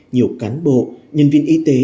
nhiều cán bộ nhân viên y tế